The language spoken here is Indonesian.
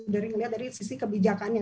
dari sisi kebijakannya